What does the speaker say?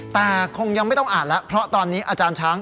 แต่คงยังไม่ต้องอ่านแล้วเพราะตอนนี้อาจารย์ช้าง